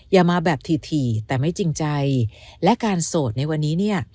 อย่ามาแบบถี่ถี่แต่ไม่จริงใจและการโสดในวันนี้เนี่ย